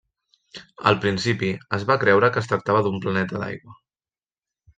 Al principi, es va creure que es tractava d'un planeta d'aigua.